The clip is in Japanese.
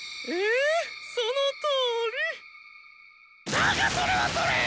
だがそれはそれぇ！